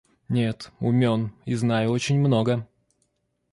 Нет, умён и знаю очень много!